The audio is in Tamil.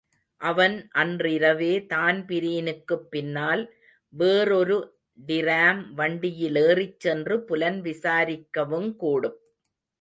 அவன் அன்றிரவே தான்பிரீனுக்குப் பின்னால் வேறொரு டிராம் வண்டியிலேறிச் சென்று புலன் விசாரிக்கவுங்கூடும்.